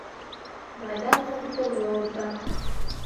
Майҙан һуң курмы уртаҡ.